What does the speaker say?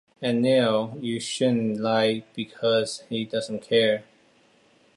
And Neil you shouldn't like, because he doesn't care.